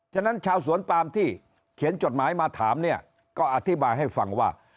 ฉะนั้นชาวสวนปามที่เขียนจดหมายมาถามเนี่ยก็อธิบายให้ฟังว่า